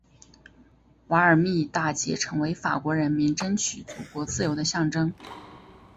瓦尔密大捷成为法国人民争取祖国自由的象征。